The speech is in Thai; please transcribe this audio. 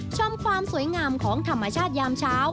ความสวยงามของธรรมชาติยามเช้า